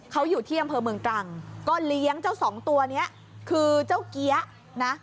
เขาอยู่ที่อำเภอเมืองตรังก็เลี้ยงเจ้าสองตัวนี้คือเจ้าเกี๊ยะนะ